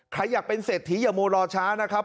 ใครอยากเป็นเศรษฐีอย่าโมรอช้านะครับ